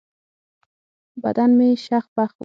بدن مې شخ پخ و.